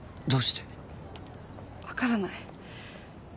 分からない。